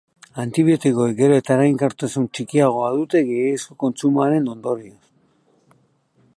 Antibiotikoek gero eta eraginkortasun txikiagoa dute gehiegizko kontsumoaren ondorioz.